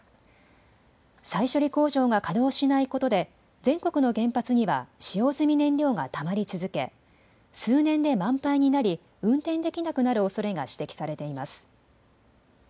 再処理工場が稼働しないことで全国の原発には使用済み燃料がたまり続け、数年で満杯になり運転できなくなるおそれが指摘されています。